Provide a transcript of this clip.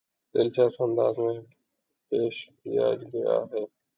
دلچسپ انداز میں پیش کیا گیا ہے